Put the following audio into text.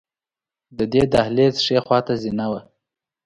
د دې دهلېز ښې خواته زینه وه.